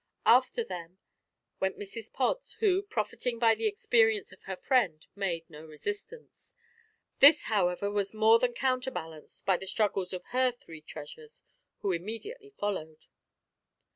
After them went Mrs Pods, who, profiting by the experience of her friend, made no resistance. This however, was more than counterbalanced by the struggles of her three treasures, who immediately followed.